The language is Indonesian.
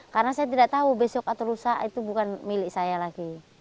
karena saya tidak tahu besok atau lusa itu bukan milik saya lagi